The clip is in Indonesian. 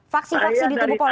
faksi faksi di tubuh polri